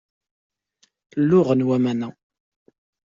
Luɣen waman-a.